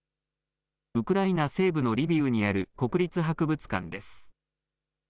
ウクライナ西部のリビウにある国立博物館です。